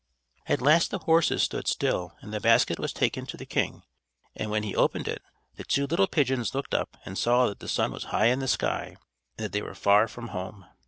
At last the horses stood still and the basket was taken to the king; and when he opened it, the two little pigeons looked up and saw that the sun was high in the sky, and that they were far from home.